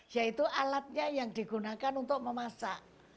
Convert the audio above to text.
yaitu alatnya yang digunakan untuk memasak